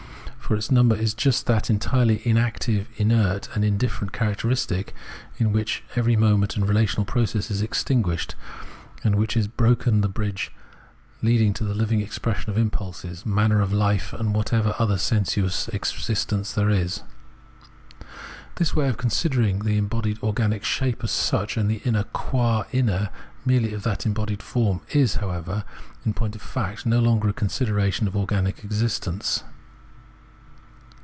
For number is just that entirely inactive, inert, and indifferent characteristic in which every movement and relational process is extinguished, and which has broken the bridge leadiag YOL. I.— T 274 Phenomenology of Mind to the living expression of impulses, manner of life, and whatever other sensuous existence there is. This way of considering the embodied organic shape as such and the inner qua inner merely of that em bodied form, is, however, in point of fact, no longer a consideration of organic existence.